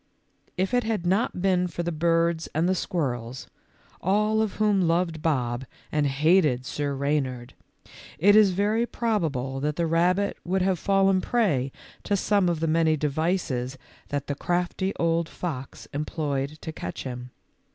If it had not been for the birds and the squirrels, all of whom loved Bob and hated Sir Reynard, it is very probable that the rabbit would have fallen prey to some one of the many devices that the crafty old fox employed to catch him.